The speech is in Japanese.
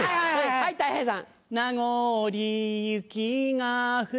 はいたい平さん。